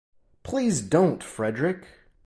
Please don't, Frederick!